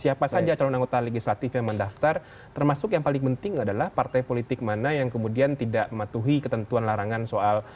siapa saja calon anggota legislatif yang mendaftar termasuk yang paling penting adalah partai politik mana yang kemudian tidak mematuhi ketentuan larangan soal